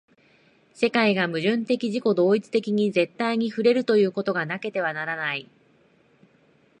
世界が矛盾的自己同一的に絶対に触れるということがなければならない。